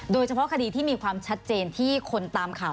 โดยเฉพาะคดีที่มีความชัดเจนที่คนตามข่าว